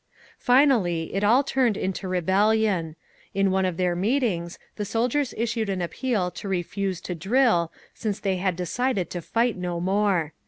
"Finally it all turned into rebellion. In one of their meetings, the soldiers issued an appeal to refuse to drill, since they had decided to fight no more.